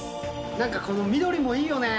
なんかこの緑もいいよね。